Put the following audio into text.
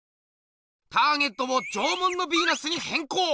ターゲットを「縄文のビーナス」にへんこう！